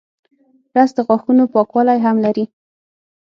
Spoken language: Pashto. رس د غاښونو پاکوالی هم لري